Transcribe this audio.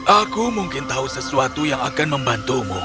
aku mungkin tahu sesuatu yang akan membantumu